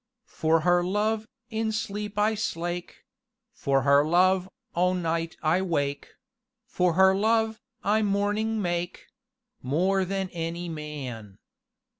"For her love, in sleep I slake, For her love, all night I wake, For her love, I mourning make More than any man!"